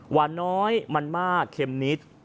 หวานน้อยมันมากเค็มนิด